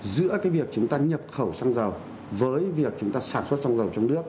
giữa cái việc chúng ta nhập khẩu xăng dầu với việc chúng ta sản xuất xăng dầu trong nước